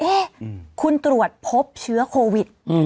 เอ๊ะคุณตรวจพบเชื้อโควิด